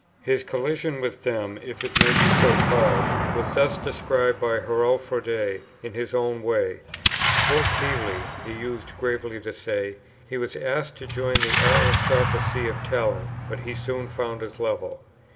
His collision with them (if it may be so called) was thus described by Hurrell Froude in his own way. "Poor Keble!" he used gravely to say, "he was asked to join the aristocracy of talent, but he soon found his level."